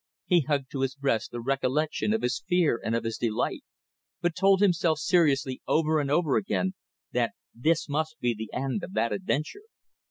He hugged to his breast the recollection of his fear and of his delight, but told himself seriously over and over again that this must be the end of that adventure.